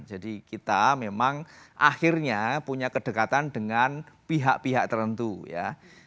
jadi kita memang akhirnya punya kedekatan dengan pihak pihak tertentu ya